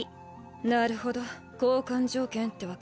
なるほど交換条件ってわけ。